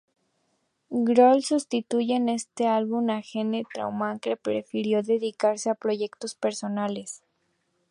Grohl sustituye en este álbum a Gene Trautmann, que prefirió dedicarse a proyectos personales.